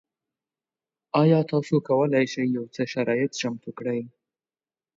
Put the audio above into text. ایا تاسو کولی شئ یو څه شرایط چمتو کړئ؟